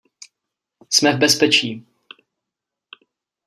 Jsme v bezpečí.